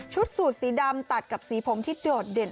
สูตรสีดำตัดกับสีผมที่โดดเด่น